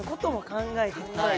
考えて。